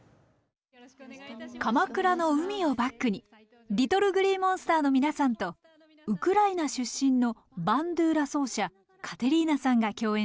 鎌倉の海をバックにＬｉｔｔｌｅＧｌｅｅＭｏｎｓｔｅｒの皆さんとウクライナ出身のバンドゥーラ奏者カテリーナさんが共演します。